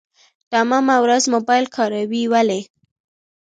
تمامه ورځ موبايل کاروي ولي .